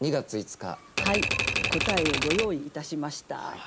はい答えをご用意いたしました。